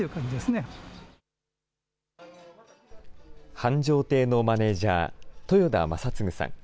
繁昌亭のマネージャー、豊田昌継さん。